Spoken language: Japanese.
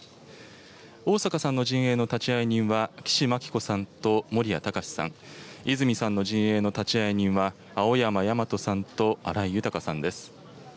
逢坂さんの陣営の立会人は、岸真紀子さんと森屋隆さん、泉さんの陣営の立会人は、青山大人さんと荒井優さんです。